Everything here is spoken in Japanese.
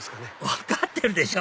分かってるでしょ